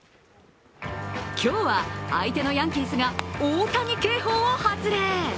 今日は相手のヤンキースが大谷警報を発令。